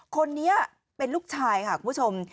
คนนี้เป็นลูกชายค่ะคุณผู้ชม